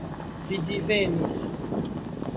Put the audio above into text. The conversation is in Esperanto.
Vi divenis.